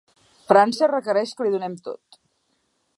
França requereix que li donem tot.